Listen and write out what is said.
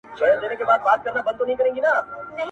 وظیفه راوړئ خدای مو وبخښه